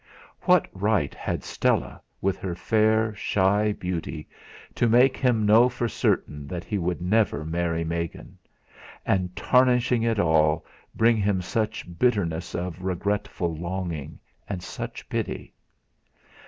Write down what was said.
What right had Stella, with her fair, shy beauty, to make him know for certain that he would never marry Megan; and, tarnishing it all, bring him such bitterness of regretful longing and such pity?